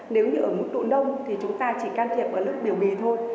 nếu như ở mức độ nông thì chúng ta chỉ can thiệp ở lớp biểu bì thôi